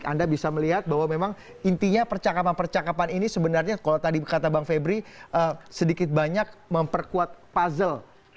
anda bisa melihat bahwa memang intinya percakapan percakapan ini sebenarnya kalau tadi kata bang febri sedikit banyak memperkuat puzzle